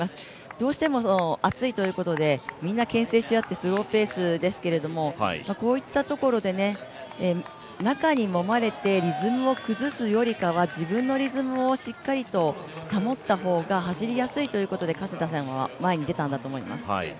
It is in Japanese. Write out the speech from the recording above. どうしても暑いということでみんなけん制し合ってスローペースですけどこういったところでね、中にもまれてリズムを崩すよりかは自分のリズムをしっかりと保った方が、走りやすいということで加世田さんは前に出たんだと思います。